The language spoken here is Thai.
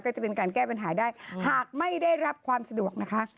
จะเป็นการแก้ปัญหาได้หากไม่ได้รับความสะดวกนะคะ